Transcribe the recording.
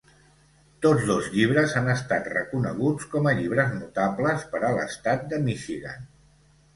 Tots dos llibres han estat reconeguts com a llibres notables per a l'estat de Michigan.